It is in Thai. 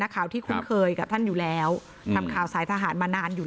ข่าวที่คุ้นเคยกับท่านอยู่แล้วทำข่าวสายทหารมานานอยู่